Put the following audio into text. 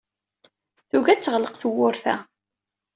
Tugi ad teɣleq tewwurt-a.